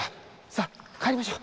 さあ帰りましょ！